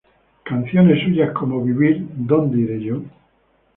Canciones suyas como: "Vivir", "¿Donde ire yo?